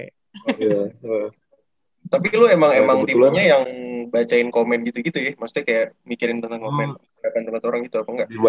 oke tapi lu emang emang tibelannya yang bacain komen gitu gitu ya maksudnya kayak mikirin tentang momen mendapatkan tempat orang gitu apa enggak